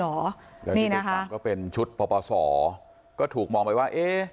แล้วที่เป็นชุดประสอบก็ถูกมองไปว่า